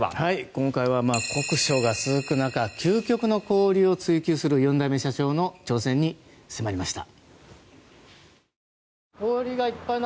今回は酷暑が続く中究極の氷を追求する４代目社長の挑戦に迫りました。